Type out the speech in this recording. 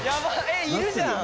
えっ、いるじゃん！」